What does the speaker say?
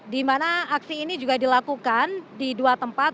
dimana aksi ini juga dilakukan di dua tempat